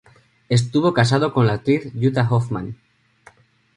Estuvo casado con la actriz Jutta Hoffmann.